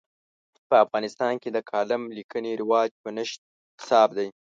په افغانستان کې د کالم لیکنې رواج په نشت حساب دی.